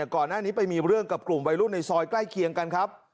ก่อนหน้านี้ไปมีเรื่องกับกลุ่มวัยรุ่นในซอยใกล้เคียงกันครับ